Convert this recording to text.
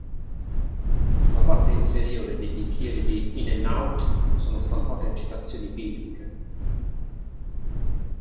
Sulla parte inferiore dei bicchieri di In-N-Out sono stampate citazioni bibliche.